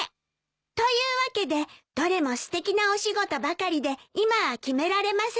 「というわけでどれもすてきなお仕事ばかりで今は決められません」